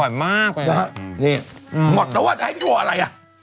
อร่อยมากนี่หมดแล้วว่าจะให้ตัวอะไรอ่ะ